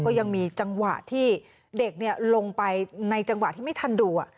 ก็ยังมีจังหวะที่เด็กลงไปในจังหวะที่ไม่ทันดู